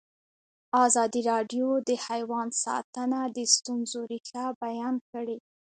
ازادي راډیو د حیوان ساتنه د ستونزو رېښه بیان کړې.